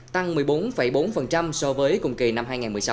tăng một mươi bốn bốn so với cùng kỳ năm hai nghìn một mươi sáu